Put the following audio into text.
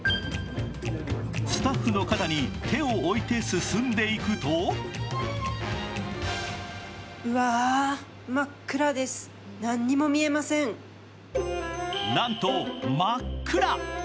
スタッフの肩に手を置いて進んでいくとなんと、真っ暗。